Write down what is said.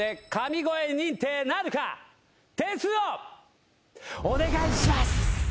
点数をお願いします！